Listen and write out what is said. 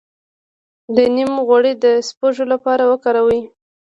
د نیم غوړي د سپږو لپاره وکاروئ